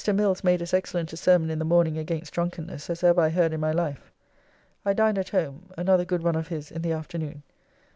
Mills made as excellent a sermon in the morning against drunkenness as ever I heard in my life. I dined at home; another good one of his in the afternoon.